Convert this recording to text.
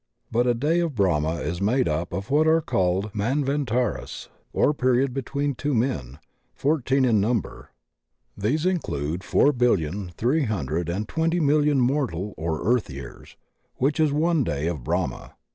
But a day of Brahma is made up of what are called Manvantaras — or period between two men — ^fourteen in number. These include four billion three hundred and twenty DAY AND NIGHT OF BRAHMA 19 million mortal or earth years, which is one day of Brahma.